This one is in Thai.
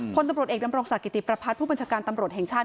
พตำรวจเอกดสกิติประพัทผู้บัญชการตำรวจแห่งชาติ